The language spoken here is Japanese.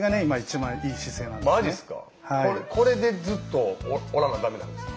これでずっとおらなダメなんですか？